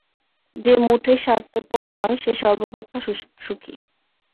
যে মোটেই স্বার্থপর নয়, সেই সর্বাপেক্ষা সুখী।